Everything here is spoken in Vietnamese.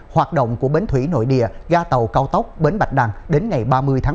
hoạt động của bến thủy nội địa ga tàu cao tốc bến bạch đăng đến ngày ba mươi tháng một mươi hai